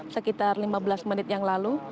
sekitar lima belas menit yang lalu